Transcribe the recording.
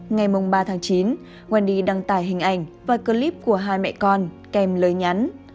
ngày mông ba tháng chín wendy đăng tải hình ảnh và clip của hai mẹ con kèm lời nhắn